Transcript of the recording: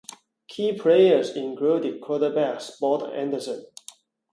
Key players included quarterback "Sport" Anderson.